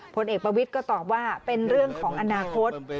ผลเอกประวิทย์ก็ตอบว่าเป็นเรื่องของอนาคต